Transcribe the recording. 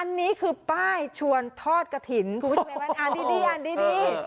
อันนี้คือป้ายชวนทอดกระถินคุณพูดชัยไหมวะอันดีอันดี